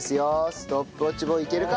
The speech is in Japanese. ストップウォッチボーイいけるか？